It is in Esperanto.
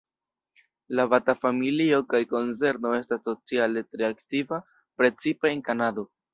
La Bata-familio kaj konzerno estas sociale tre aktiva, precipe en Kanado.